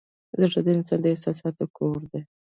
زړه د انسان د احساساتو کور دی.